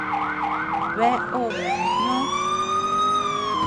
Bea obe nutnó.